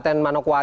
ini ada tiga